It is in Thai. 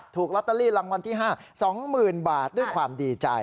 ถูกลอตเตอรี่รางวัลที่๕๒๐๐๐บาทด้วยความดีใจ